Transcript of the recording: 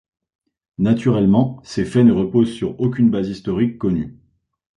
Naturellement ces faits ne reposent sur aucune base historique connue.